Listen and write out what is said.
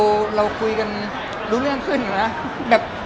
มีผมว่าถ้าคุยกันรู้เรื่องขึ้นนะ